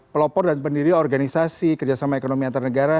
pelopor dan pendiri organisasi kerjasama ekonomi antar negara